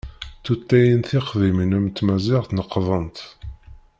Tutlayin tiqdimin am tmazight neqḍent.